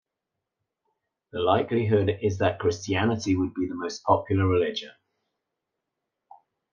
The likelihood is that Christianity would be the most popular religion.